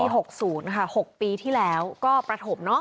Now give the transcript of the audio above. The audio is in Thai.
๖๐ค่ะ๖ปีที่แล้วก็ประถมเนอะ